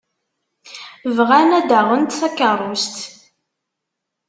Bɣan ad d-aɣent takeṛṛust.